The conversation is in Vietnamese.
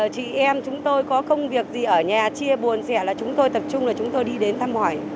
chị em chúng tôi có công việc gì ở nhà chia buồn dẻ là chúng tôi tập trung là chúng tôi đi đến thăm hỏi